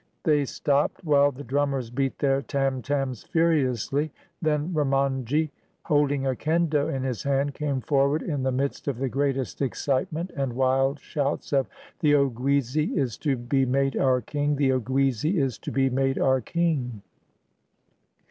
They stopped, while the drummers beat their tam tams furiously. Then Remand ji, holding a kendo in his hand, came forward in the midst of the greatest excitement and wild shouts of "The Oguizi is to be made our king! the Oguizi is to be made our king!"